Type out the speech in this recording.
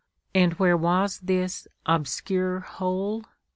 And where was this "obscure hole"?